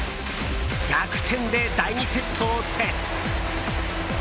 逆転で、第２セットを制す。